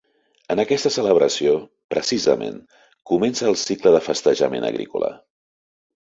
En aquesta celebració, precisament, comença el cicle de festejament agrícola.